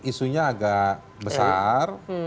isunya agak besar